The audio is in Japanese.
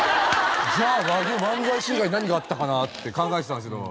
じゃあ和牛漫才師以外に何があったかな？って考えてたんですけど。